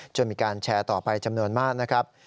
มีการแชร์ต่อไปจำนวนมากนะครับ